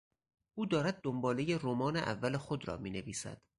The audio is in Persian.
او دارد دنبالهی رمان اول خود را مینویسد.